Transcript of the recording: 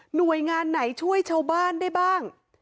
หน่วยงานไหนช่วยชาวบ้านได้บ้าง